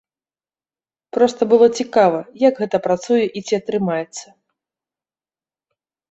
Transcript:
Проста было цікава, як гэта працуе і ці атрымаецца.